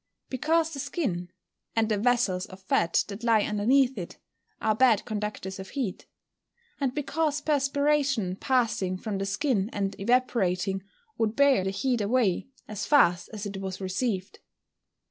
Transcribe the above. _ Because the skin, and the vessels of fat that lie underneath it, are bad conductors of heat. And because perspiration passing from the skin and evaporating, would bear the heat away as fast as it was received.